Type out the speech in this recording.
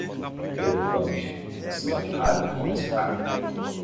Preocupante, o sinal de rádio ficou mais fraco.